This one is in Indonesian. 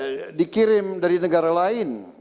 terorisme ini adalah dikirim dari negara lain